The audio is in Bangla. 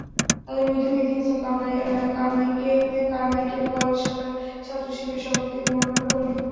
তাঁদের মধ্যে মেহেদী হাসান কারমাইকেল কলেজ শাখা ছাত্রশিবিরের সভাপতি এবং অন্যরা কর্মী।